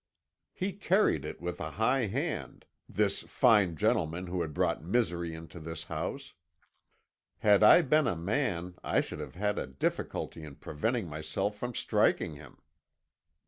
"He carried it with a high hand, this fine gentleman who had brought misery into this house; had I been a man I should have had a difficulty in preventing myself from striking him.